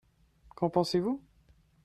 Qu'en pensez-vous ?